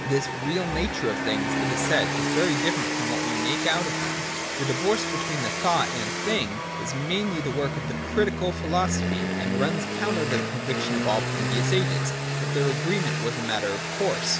This real nature of things, it is said, is very different from what we make out of them. The divorce between thought and thing is mainly the work of the Critical Philosophy, and runs counter to the conviction of all previous ages, that their agreement was a matter of course.